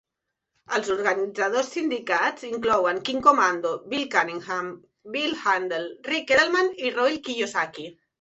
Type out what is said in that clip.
Els organitzadors sindicats inclouen Kim Komando, Bill Cunningham, Bill Handel, Ric Edelman i Robert Kiyosaki.